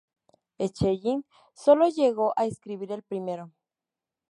Schelling solo llegó a escribir el primero.